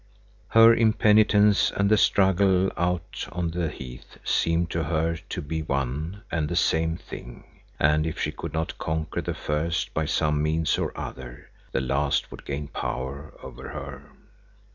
Her impenitence and the struggle out on the heath seemed to her to be one and the same thing, and if she could not conquer the first by some means or other, the last would gain power over her.